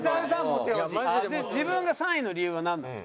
自分が３位の理由はなんなの？